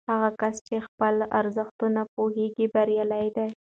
هغه کسان چې په خپلو ارزښتونو پوهیږي بریالي دي.